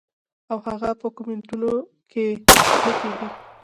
او هغه پۀ کمنټونو کښې نۀ کيږي -